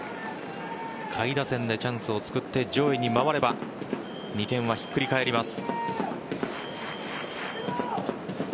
下位打線でチャンスをつくって上位に回れば２点はひっくり返ります。